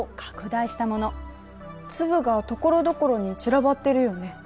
粒がところどころに散らばってるよね。